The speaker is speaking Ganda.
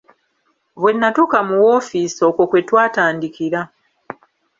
Bwe nnatuuka mu woofiisi okwo kwe twatandikira.